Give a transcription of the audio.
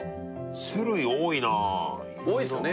種類多いな多いですよね